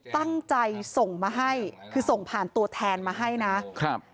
ตั้งใจส่งมาให้คือส่งผ่านตัวแทนมาให้นะครับ